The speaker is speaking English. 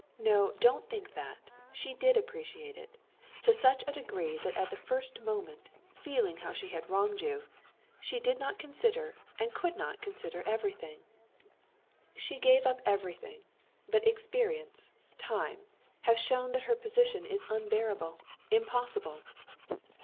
No, don't think that. She did appreciate it—to such a degree that at the first moment, feeling how she had wronged you, she did not consider and could not consider everything. She gave up everything. But experience, time, have shown that her position is unbearable, impossible."